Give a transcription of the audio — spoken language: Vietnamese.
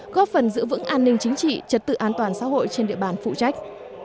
góp phần giữ vững an ninh chính trị trật tự an toàn xã hội trên địa bàn phụ trách